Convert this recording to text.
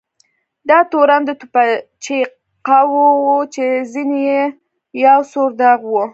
دا تورن د توپچي قواوو و چې پر زنې یې یو سور داغ و.